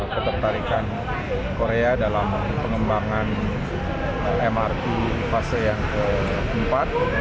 ketertarikan korea dalam pengembangan mrt fase yang keempat